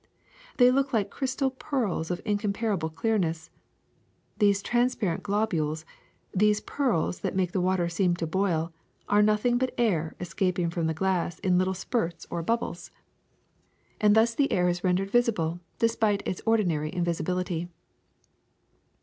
They look like crystal pearls of incomparable clearness. These transparent globules, these pearls that make the water seem to boil, are nothing but air escaping from the glass in little spurts or bubbles ; 296 THE SECRET OF EVERYDAY THINGS and thus the air is rendered visible despite its ordi nary invisibility.